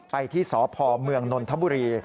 ไปที่สพเมืองนนทบุรี